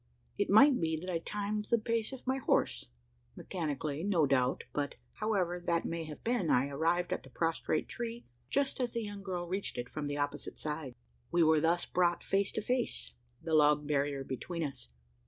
It might be that I timed the pace of my horse mechanically, no doubt but however that may have been, I arrived at the prostrate tree, just as the young girl reached it from the opposite side. We were thus brought face to face, the log barrier between us.